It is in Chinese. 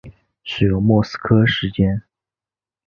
使用莫斯科时间。